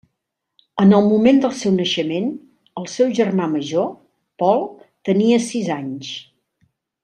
En el moment del seu naixement, el seu germà major, Paul, tenia sis anys.